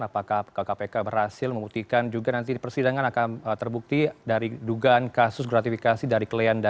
apakah kkpk berhasil membuktikan juga nanti persidangan akan terbukti dari dugaan kasus gratifikasi dari klien dari sidik